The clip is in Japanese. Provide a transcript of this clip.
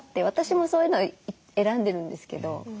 私もそういうのを選んでるんですけど。